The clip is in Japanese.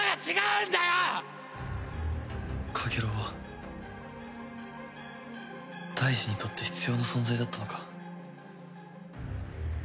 カゲロウは大二にとって必要な存在だったのか？